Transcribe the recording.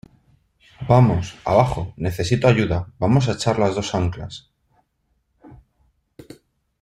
¡ vamos, abajo , necesito ayuda! ¡ vamos a echar las dos anclas !